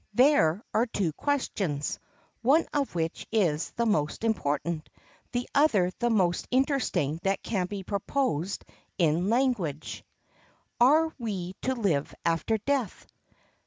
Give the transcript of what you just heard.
] There are two questions, one of which is the most important, the other the most interesting that can be proposed in language: Are we to live after death?